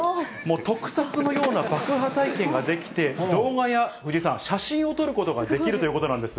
特撮のような爆破体験ができて、動画や、藤井さん、写真を撮ることができるということなんです。